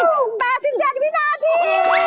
โอ๊ยแปด๑๗วินาที